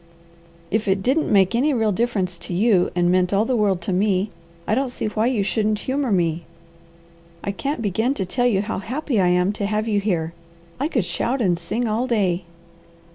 "If it didn't make any real difference to you, and meant all the world to me, I don't see why you shouldn't humour me. I can't begin to tell you how happy I am to have you here. I could shout and sing all day."